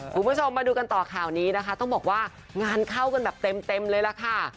คุณผู้ชมมาดูกันต่อข่าวนี้นะคะต้องบอกว่างานเข้ากันแบบเต็มเลยล่ะค่ะ